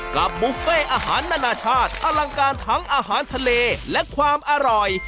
บุฟเฟ่อาหารนานาชาติอลังการทั้งอาหารทะเลและความอร่อย